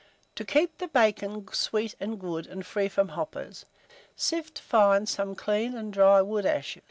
To KEEP THE BACON SWEET AND GOOD, and free from hoppers, sift fine some clean and dry wood ashes.